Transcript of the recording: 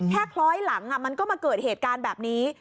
คล้อยหลังมันก็มาเกิดเหตุการณ์แบบนี้